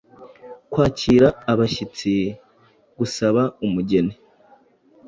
kwakira abashyitsi, gusaba umugeni,